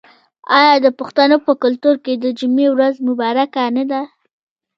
آیا د پښتنو په کلتور کې د جمعې ورځ مبارکه نه ده؟